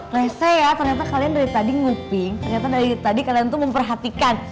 rese ya ternyata kalian dari tadi nguping ternyata dari tadi kalian tuh memperhatikan